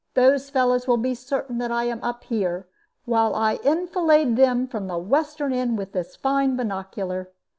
Those fellows will be certain that I am up here, while I enfilade them from the western end with this fine binocular.